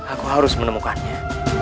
aku harus menemukannya